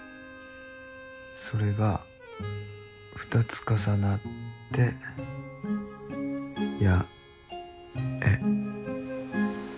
それが２つ重なって八重。